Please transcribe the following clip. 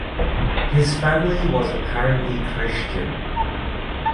His family was apparently Christian.